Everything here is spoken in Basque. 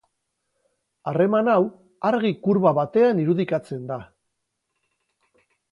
Harreman hau argi kurba batean irudikatzen da.